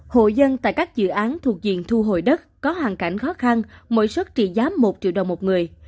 hộ dân tại các dự án thuộc diện thu hồi đất có hoàn cảnh khó khăn mỗi xuất trị giá một triệu đồng một người